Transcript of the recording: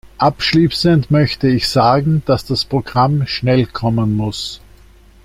Abschließend möchte ich sagen, dass das Programm schnell kommen muss.